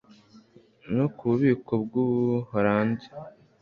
No ku bubiko bwUbuholandi